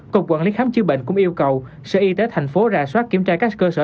cục quản lý khám chứa bệnh cũng yêu cầu sở y tế tp hcm ra soát kiểm tra các cơ sở